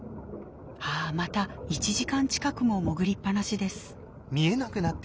あまた１時間近くも潜りっぱなしです。